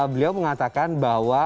beliau mengatakan bahwa